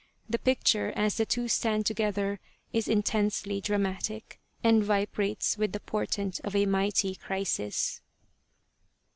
The picture as the two stand together is intensely dramatic, and vibrates with the portent of a mighty crisis.